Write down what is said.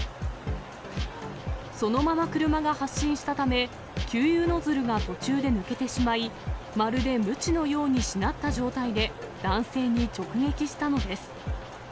そのまま車が発進したため、給油ノズルが途中で抜けてしまい、まるでむちのようにしなった状態で男性に直撃したのです。